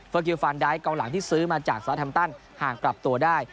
เฟอร์กิลฟานดายกองหลังที่ซื้อมาจากสระแธมตันห่างกลับตัวได้